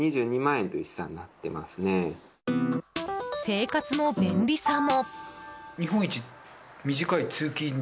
生活の便利さも。